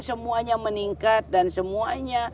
semuanya meningkat dan semuanya